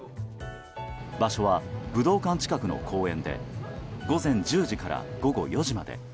場所は、武道館近くの公園で午前１０時から午後４時まで。